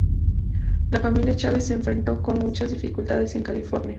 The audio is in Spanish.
La familia Chávez se enfrentó con muchas dificultades en California.